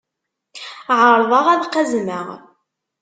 Ԑerḍeɣ ad qazmeɣ.